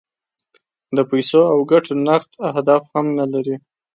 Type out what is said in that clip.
د پیسو او ګټو نغد اهداف هم نه لري.